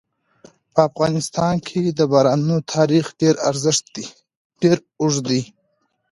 په افغانستان کې د بارانونو تاریخ ډېر اوږد دی.